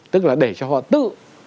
tức là để cho họ tự